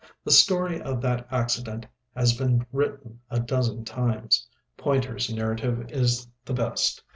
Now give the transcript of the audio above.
The story of that accident has been written a dozen times. Pointer's narrative is the best.